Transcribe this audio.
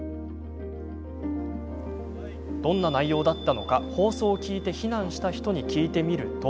どんな内容だったのか放送を聞いて避難した人に聞いてみると。